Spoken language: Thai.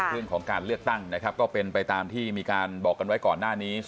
ค่ะภี่วิววิวของการเลือกตั้งก็เป็นไปตามที่มีการบอกกันไว้ก่อนหน้านี้